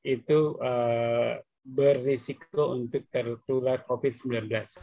itu berisiko untuk tertular covid sembilan belas